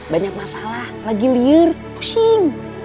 banyak masalah lagi liar pusing